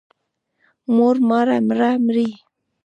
موړ، ماړه، مړه، مړې.